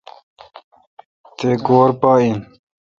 تہ گور پہ این۔